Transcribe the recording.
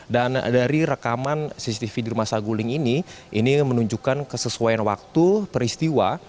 dan dari rekaman cctv di rumah saguling ini ini menunjukkan kesesuaian waktu peristiwa